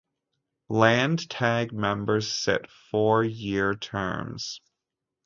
Landtag members sit four year terms.